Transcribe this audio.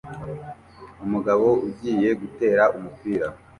Umugabo ugiye gutera umupira